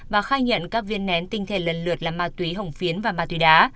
và khai nhận các viên nén tinh thể lần lượt là ma túy hồng phiến và ma túy đá